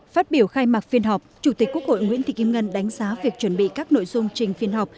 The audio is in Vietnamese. phát biểu khai mạc phiên họp chủ tịch quốc hội nguyễn thị kim ngân đánh giá việc chuẩn bị các nội dung trình phiên họp